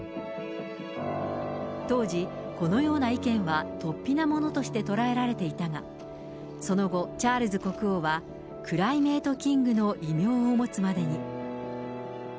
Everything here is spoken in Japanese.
当時、このような意見は突飛なものとしてとらえられていたが、その後、チャールズ国王はクライメート・キングの異名を持つまでに。